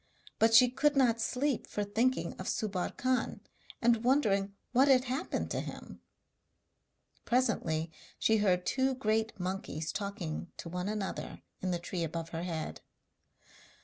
But she could not sleep for thinking of Subbar Khan, and wondering what had happened to him. Presently she heard two great monkeys talking to one another in the tree above her head.